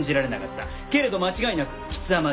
けれど間違いなく貴様だ。